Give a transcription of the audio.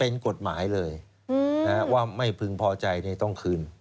เป็นกฎหมายเลยว่าไม่พึงพอใจต้องคืน